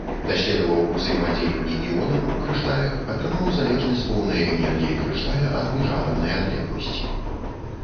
Даследаваў узаемадзеянні іонаў у крышталях, атрымаў залежнасць поўнай энергіі крышталя ад міжатамнай адлегласці.